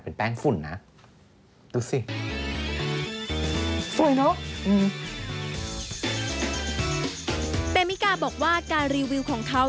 เมมิกาบอกว่าการรีวิวของเขา